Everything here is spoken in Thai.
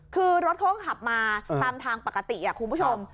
คือรถเขาก็ขับมาตามทางปกติคุณผู้ชม